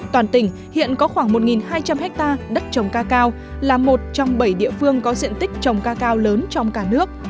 toàn tỉnh hiện có khoảng một hai trăm linh hectare đất trồng cacao là một trong bảy địa phương có diện tích trồng cacao lớn trong cả nước